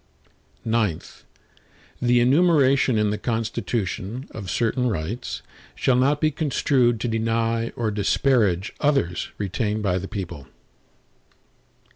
IX The enumeration in the Constitution, of certain rights, shall not be construed to deny or disparage others retained by the people.